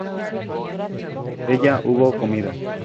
ella hubo comido